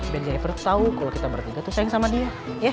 biar jennifer tuh tau kalo kita bertiga tuh sayang sama dia